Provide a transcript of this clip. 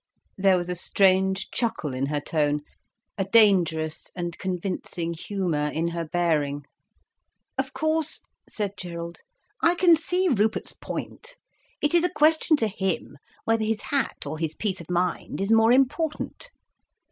There was a strange chuckle in her tone, a dangerous and convincing humour in her bearing. "Of course," said Gerald, "I can see Rupert's point. It is a question to him whether his hat or his peace of mind is more important."